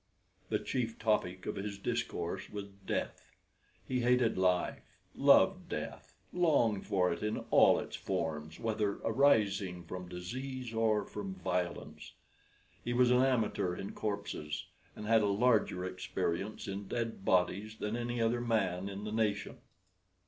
The chief topic of his discourse was death. He hated life, loved death, longed for it in all its forms, whether arising from disease or from violence. He was an amateur in corpses, and had a larger experience in dead bodies than any other man in the nation.